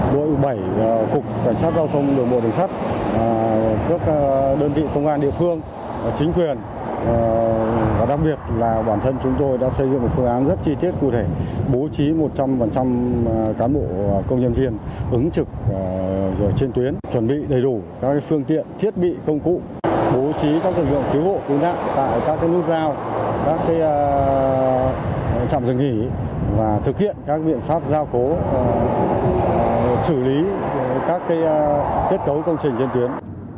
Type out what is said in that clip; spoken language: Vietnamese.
bố trí các lực lượng cứu hộ cứu nạn tại các lưu giao các trạm dừng nghỉ và thực hiện các biện pháp giao cố xử lý các kết cấu công trình trên tuyến